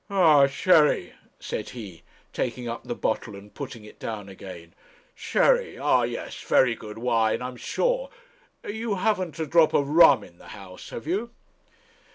'Ah! sherry,' said he, taking up the bottle and putting it down again. 'Sherry, ah! yes; very good wine, I am sure. You haven't a drop of rum in the house, have you?'